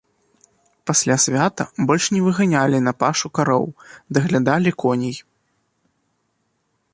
Пасля свята больш не выганялі на пашу кароў, даглядалі коней.